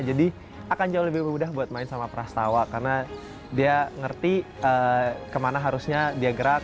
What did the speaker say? jadi akan jauh lebih mudah buat main sama pras tawa karena dia ngerti kemana harusnya dia gerak